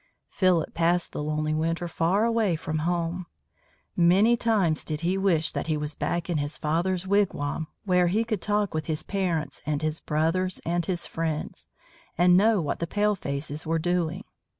Philip passed the lonely winter far away from home. Many times did he wish that he was back in his father's wigwam where he could talk with his parents and his brothers and his friends, and know what the palefaces were doing.